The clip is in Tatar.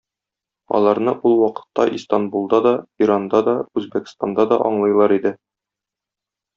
Аларны ул вакытта Истанбулда да, Иранда да, Үзбәкстанда да аңлыйлар иде.